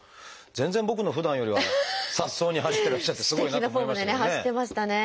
全然僕のふだんよりはさっそうに走ってらっしゃってすごいなと思いましたけどね。